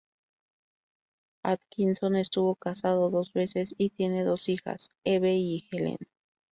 Atkinson estuvo casada dos veces y tiene dos hijas, Eve y Helen.